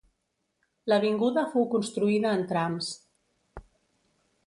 L'avinguda fou construïda en trams.